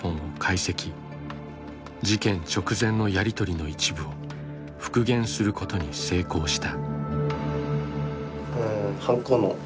事件直前のやり取りの一部を復元することに成功した。